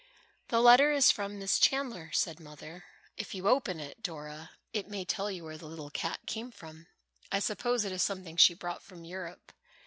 "The letter is from Miss Chandler," said Mother. "If you open it, Dora, it may tell you where the little cat came from. I suppose it is something she brought from Europe."